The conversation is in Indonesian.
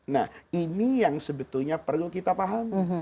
nah ini yang sebetulnya perlu kita pahami